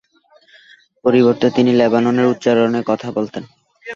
পরিবর্তে তিনি লেবাননের উচ্চারণে কথা বলতেন।